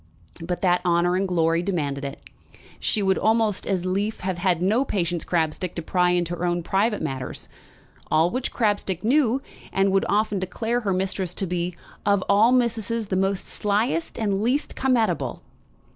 But that honour and glory demanded it, she would almost as lief have had no Patience Crabstick to pry into her most private matters. All which Crabstick knew, and would often declare her missus to be "of all missuses the most slyest and least come at able."